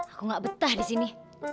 aku gak betah disini